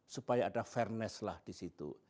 supaya ada fairness lah di situ